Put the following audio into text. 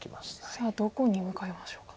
さあどこに向かいましょうか。